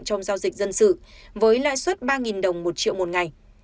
trong giao dịch dân sự với lãi suất ba đồng một triệu một ngày